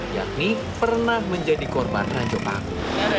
yakni pernah menjadi korban ranjau paku